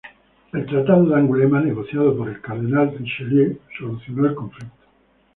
El tratado de Angulema, negociado por el Cardenal Richelieu, solucionó el conflicto.